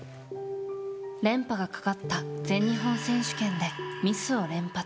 連覇がかかった全日本選手権でミスを連発。